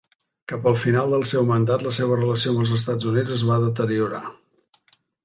Cap al final del seu mandat, la seva relació amb els Estats Units es va deteriorar.